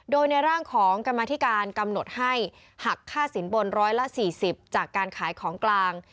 โดยในร่างของกรรมธิการกำหนดให้หักค่าสินบน๑๔๐จากการขายของกลาง